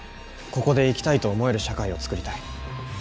ここで生きたいと思える社会を作りたい。